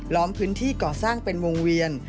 ล้อมพื้นที่ก่อสร้างเป็นวงเวียน